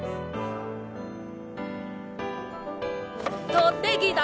とってきた！